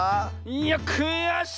いやくやしい！